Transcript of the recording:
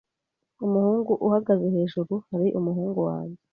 Umuhungu uhagaze hejuru hari umuhungu wanjye.